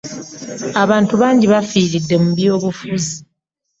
Abantu bangi abafiridde mu by'obufuzi.